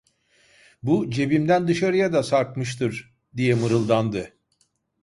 "Bu, cebimden dışarıya da sarkmıştır!" diye mırıldandı.